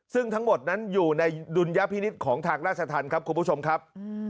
ซึ่งทั้งหมดนั้นอยู่ในดุลยพินิษฐ์ของทางราชธรรมครับคุณผู้ชมครับ